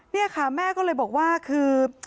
นี่ค่ะแม่ก็เลยบอกว่าคือ